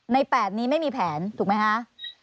๘นี้ไม่มีแผนถูกไหมคะ